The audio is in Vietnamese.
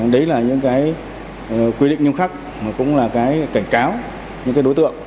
đấy là những cái quy định nghiêm khắc mà cũng là cái cảnh cáo những cái đối tượng